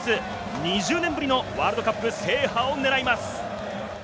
２０年ぶりのワールドカップ制覇を狙います。